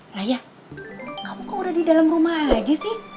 ayah kamu kok udah di dalam rumah aja sih